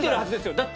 だって。